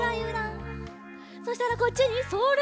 そしたらこっちにそれ。